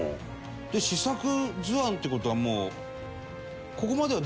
「試作図案」って事はもう。